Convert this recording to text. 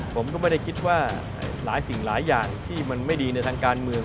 ผมก็ไม่ได้คิดว่าหลายสิ่งหลายอย่างที่มันไม่ดีในทางการเมือง